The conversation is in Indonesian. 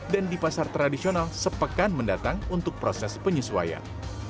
dan di pasar tradisional sepekan mendatang untuk proses penyesuaian